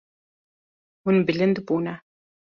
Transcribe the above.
Hûn bilind bûne.